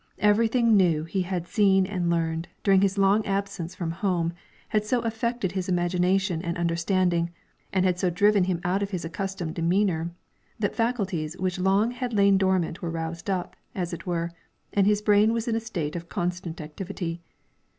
Everything new he had seen and learned, during his long absence from home, had so affected his imagination and understanding, and had so driven him out of his accustomed demeanor, that faculties which long had lain dormant were roused up, as it were, and his brain was in a state of constant activity.